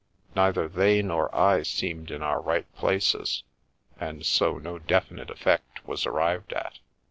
Neither they nor I seemed in our right places, and so no definite effect was arrived at.